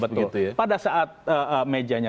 betul pada saat mejanya